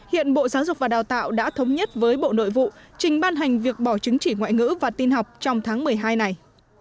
hiện bộ giáo dục và đào tạo đã thống nhất với bộ nội vụ trình ban hành việc bỏ chứng chỉ ngoại ngữ và tin học trong tháng một mươi hai này